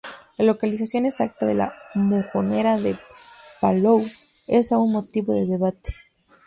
La localización exacta de la "Mojonera de Palou" es aún motivo de debate.